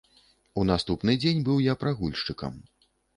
У наступны дзень быў я прагульшчыкам.